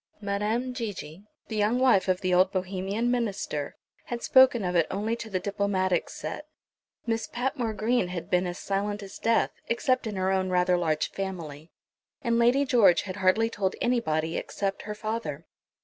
Madame Gigi, the young wife of the old Bohemian minister, had spoken of it only to the diplomatic set; Miss Patmore Green had been as silent as death, except in her own rather large family, and Lady George had hardly told anybody, except her father.